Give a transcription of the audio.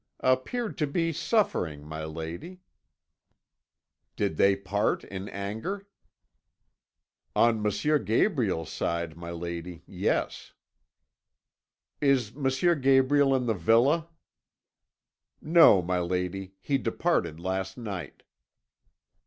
"'Appeared to be suffering, my lady.' "'Did they part in anger?' "'On M. Gabriel's side, my lady, yes.' "'Is M. Gabriel in the villa?' "'No, my lady. He departed last night.